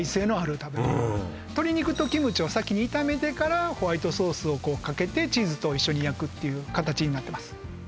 鶏肉とキムチを先に炒めてからホワイトソースをかけてチーズと一緒に焼くっていう形になってます